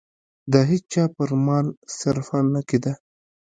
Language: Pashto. د هېچا پر مال صرفه نه کېده.